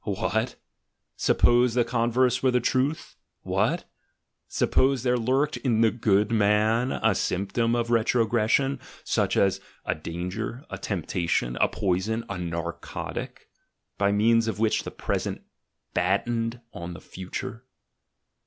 What? Suppose the converse were the truth! What? Suppose there lurked in the "good man" a symptom of retrogression, such as a danger, a temptation, a poison, a narcotic, by means of which the present battened on the future!